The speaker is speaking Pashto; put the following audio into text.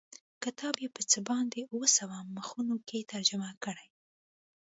کتاب یې په څه باندې اووه سوه مخونو کې ترجمه کړی.